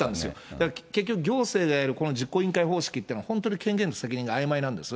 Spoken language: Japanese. だから結局、行政がやるこの実行委員会方式っていうのは本当に権限と責任があいまいなんです。